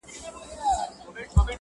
o وبېرېدم.